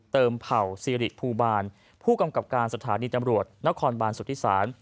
เผ่าซีริภูบาลผู้กำกับการสถานีตำรวจนครบานสุธิศาล